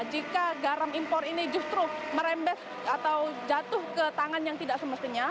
jika garam impor ini justru merembes atau jatuh ke tangan yang tidak semestinya